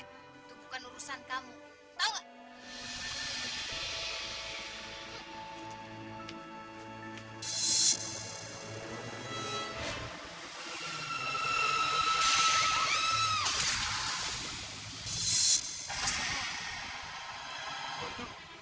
itu bukan urusan kamu tahu